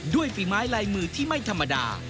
ฝีไม้ลายมือที่ไม่ธรรมดา